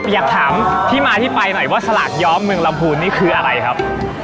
อยากถามที่มาที่ไปหน่อยว่าสลากย้อมเมืองลำพูนนี่คืออะไรครับ